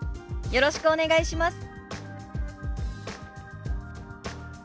よろしくお願いします。